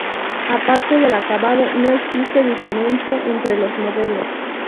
Aparte del acabado, no existe diferencia entre los modelos.